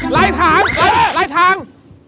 ไร้ทาง